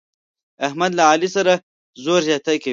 احمد له علي سره زور زیاتی کوي.